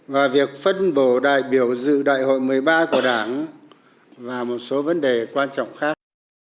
và việc phân bổ đại biểu dự đại hội một mươi ba của đảng và một số vấn đề quan trọng khác